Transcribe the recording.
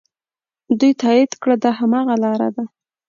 دوی تایید کړه دا هماغه لاره ده.